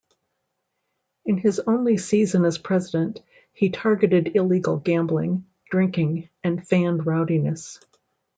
In his only season as president, he targeted illegal gambling, drinking and fan rowdiness.